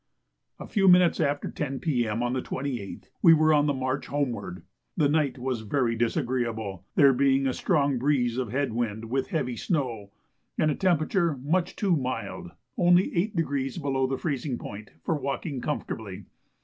A few minutes after 10 P.M. on the 28th, we were on the march homeward. The night was very disagreeable, there being a strong breeze of head wind with heavy snow, and a temperature much too mild (only 8° below the freezing point) for walking comfortably.